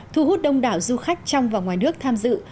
thu hút đông đảo du khách trong và ngoài nước tham dự